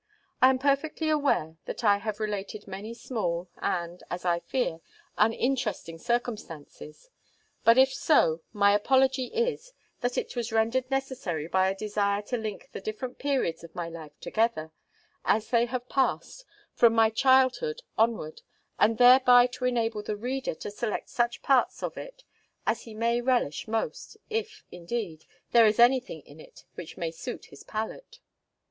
I am perfectly aware, that I have related many small and, as I fear, uninteresting circumstances; but if so, my apology is, that it was rendered necessary by a desire to link the different periods of my life together, as they have passed, from my childhood onward, and thereby to enable the reader to select such parts of it as he may relish most, if, indeed, there is any thing in it which may suit his palate.